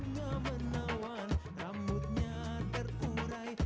gak ada pekerjaan